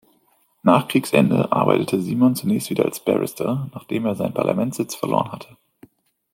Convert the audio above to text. Nach Kriegsende arbeitete Simon zunächst wieder als Barrister, nachdem er seinen Parlamentssitz verloren hatte.